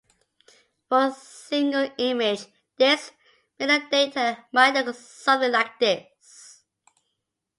For a single image, this metadata might look something like this.